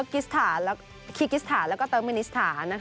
คีกิสถานแล้วก็เตอร์มิวนิสถาน